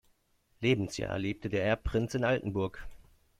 Lebensjahr lebte der Erbprinz in Altenburg.